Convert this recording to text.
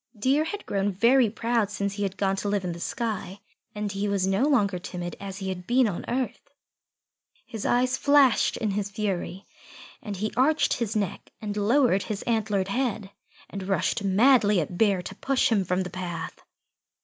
Deer had grown very proud since he had gone to live in the sky, and he was no longer timid as he had been on earth. His eyes flashed in his fury, and he arched his neck and lowered his antlered head, and rushed madly at Bear to push him from the path.